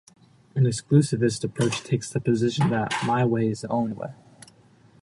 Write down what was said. An exclusivist approach takes the position that "my way is the only way".